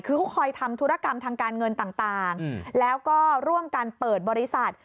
คือเขาคอยทำธุรกรรมทางการเงินต่างแล้วก็ร่วมกันเปิดบริษัท